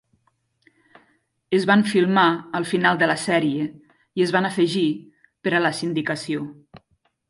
Es van filmar al final de la sèrie i es van afegir per a la sindicació.